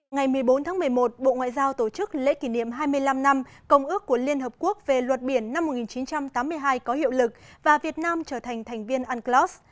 ngày một mươi bốn tháng một mươi một bộ ngoại giao tổ chức lễ kỷ niệm hai mươi năm năm công ước của liên hợp quốc về luật biển năm một nghìn chín trăm tám mươi hai có hiệu lực và việt nam trở thành thành viên unclos